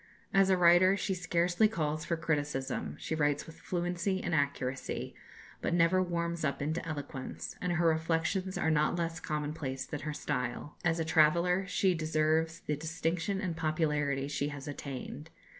As a writer she scarcely calls for criticism: she writes with fluency and accuracy, but never warms up into eloquence, and her reflections are not less commonplace than her style. As a traveller she deserves the distinction and popularity she has attained.